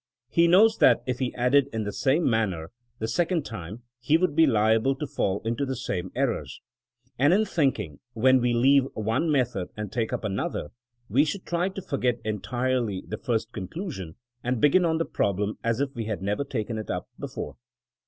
He knows that if he added in the same manner the second time he would be liable to fall into the same er rors. And in thinking, when we leave one method and take up another, we should try to forget entirely the first conclusion and begin on the problem as if we had never taken it up be fore.